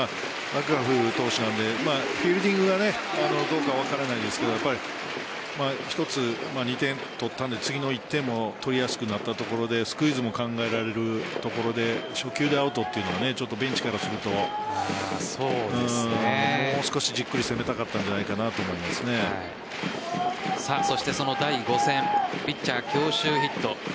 マクガフ投手なのでフィールディングがどうかも分かりませんが一つ、２点を取ったので次の１点も取りやすくなったところでスクイズも考えられるところで初球でアウトというのはベンチからするともう少しじっくり攻めたかったんじゃないかなとそして、その第５戦ピッチャー強襲ヒット。